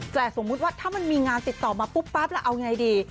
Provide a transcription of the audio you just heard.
แต่สมมุติว่าถ้ามีงานติดต่อมาปุ๊บแล้วเอาอย่างไรดี